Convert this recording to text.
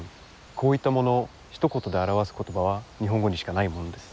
こういったものをひと言で表す言葉は日本語にしかないものです。